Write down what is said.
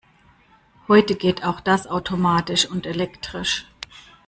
Heute geht auch das automatisch und elektrisch.